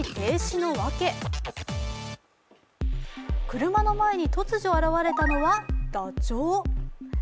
車の前に突如現れたのはダチョウ。